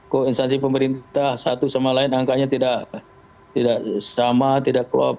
koinstansi pemerintah satu sama lain angkanya tidak sama tidak klop